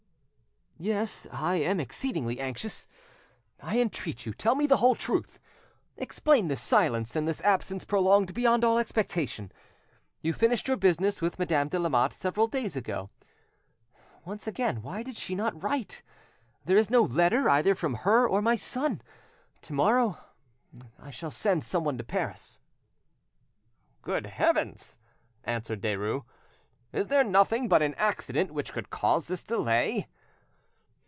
"Yes, I am exceedingly anxious; I entreat you, tell me the whole truth. Explain this silence, and this absence prolonged beyond all expectation. You finished your business with Madame de Lamotte several days ago: once again, why did she not write? There is no letter, either from her or my son! To morrow I shall send someone to Paris." "Good heavens!" answered Derues, "is there nothing but an accident which could cause this delay?